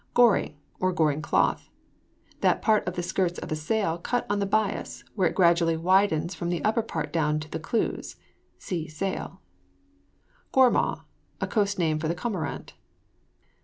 GORING, OR GORING CLOTH. That part of the skirts of a sail cut on the bias, where it gradually widens from the upper part down to the clues. (See SAIL.) GORMAW. A coast name for the cormorant.